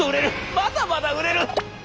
まだまだ売れる！」。